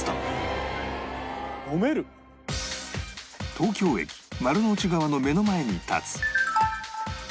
東京駅丸の内側の目の前に立つ丸ビル